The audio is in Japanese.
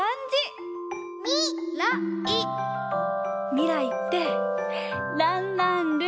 みらいってらんらんるんるん！